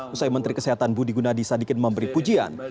usai menteri kesehatan budi gunadi sadikin memberi pujian